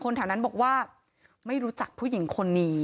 แถวนั้นบอกว่าไม่รู้จักผู้หญิงคนนี้